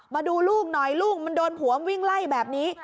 มาดูลูกหน่อยลูกมันโดนผัววิ่งไล่แบบนี้